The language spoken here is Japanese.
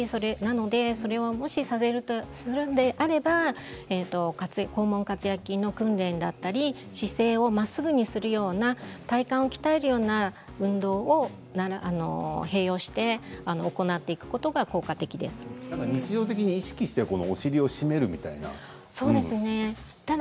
もし、それをするのであれば肛門括約筋の訓練だったり姿勢をまっすぐにするような体幹を鍛えるような運動を併用して行っていくことが日常的にお尻を締めるみたいなことですか？